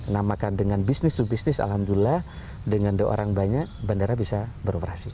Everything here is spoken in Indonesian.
nah maka dengan bisnis to bisnis alhamdulillah dengan orang banyak bandara bisa beroperasi